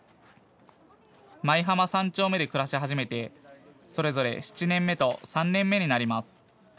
舞浜三丁目で暮らし始めてそれぞれ７年目と３年目になります。